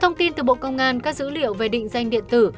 thông tin từ bộ công an các dữ liệu về định danh điện tử